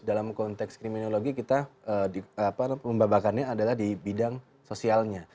dalam konteks kriminologi kita pembabakannya adalah di bidang sosialnya